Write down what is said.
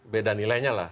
beda nilainya lah